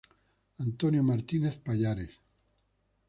Antonio Martínez Pallares.